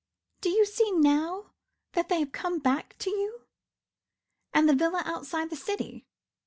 Do you see now that they come back to you? And the villa outside the city.